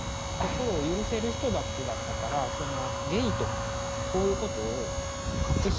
心を許せる人たちだったからゲイとかそういうことを隠し通せなかったんですよ。